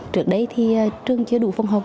trước đây trường chưa đủ phòng học